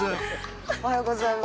おはようございます。